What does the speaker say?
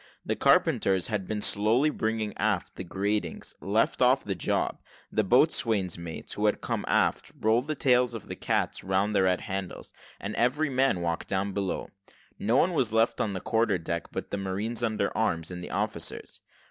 The carpenters, had been slowly bringing aft the gratings, left off the job; the boatswain's mates, who had come aft, rolled the tails of their cats round the red handles; and every man walked down below. No one was left on the quarter deck but the marines under arms, and the officers.